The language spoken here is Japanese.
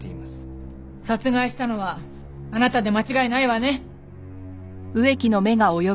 殺害したのはあなたで間違いないわね？